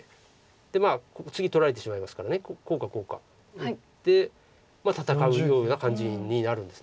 で次取られてしまいますからこうかこうか打って戦うような感じになるんです。